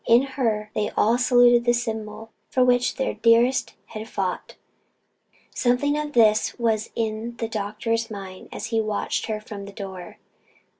In her, they all saluted the symbol for which their dearest had fought. Something of this was in the doctor's mind as he watched her from the door.